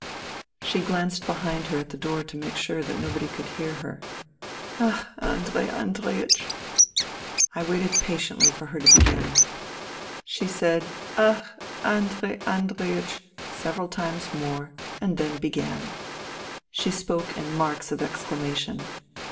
..." She glanced behind her at the door to make sure that nobody could hear her. 26 FUTILITY " Ach ! Andrei Andreiech !" I waited patiently for her to begin. She said '^ Ach ! Andrei Andreiech!" several times more and then began. She spoke in marks of exclamation.